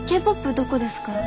どこですか？